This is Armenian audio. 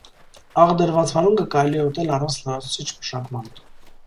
Աղ դրուած վարունգը կարելի է ուտել առանց լրացուցիչ մշակման։